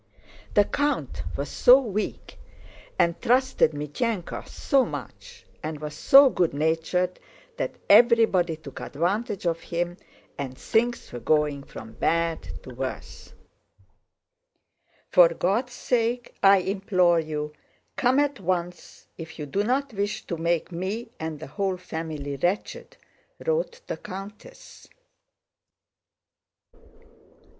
The count was so weak, and trusted Mítenka so much, and was so good natured, that everybody took advantage of him and things were going from bad to worse. "For God's sake, I implore you, come at once if you do not wish to make me and the whole family wretched," wrote the countess.